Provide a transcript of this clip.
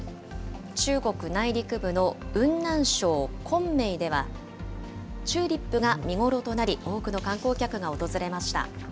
中国内陸部の雲南省昆明では、チューリップが見頃となり、多くの観光客が訪れました。